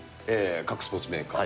各スポーツメーカー。